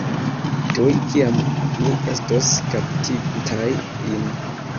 Tuj kiam ni estos kaptintaj lin.